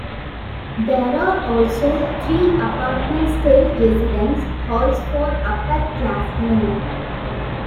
There are also three apartment-style residence halls for upperclassmen.